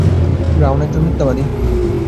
Brown একজন মিথ্যাবাদী।